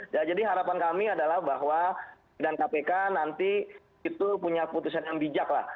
ya jadi harapan kami adalah bahwa pimpinan kpk nanti itu punya putusan yang bijak lah